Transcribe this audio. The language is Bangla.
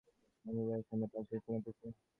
মহেন্দ্র নরেন্দ্রের সন্ধান পাইয়াছে শুনিতেছি।